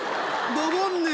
ドボンヌ！